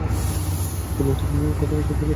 আবদুল লতিফ মিয়া ঘটনার সত্যতা নিশ্চিত করেছেন।